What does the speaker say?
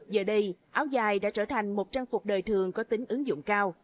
giờ đây áo dài đã trở thành một trang phục đời thường có tính ứng dụng cao